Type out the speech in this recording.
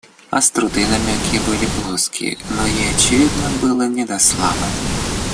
Остроты и намеки были плоски, но ей, очевидно, было не до славы.